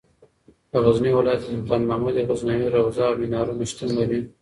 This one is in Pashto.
په غزني ولایت کې د سلطان محمود غزنوي روضه او منارونه شتون لري.